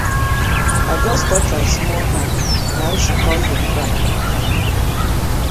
I just touch am small hand na im she com dey cry.